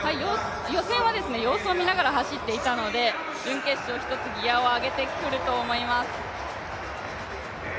予選は様子を見ながら、走っていたので、準決勝、１つギアを上げてくると思います。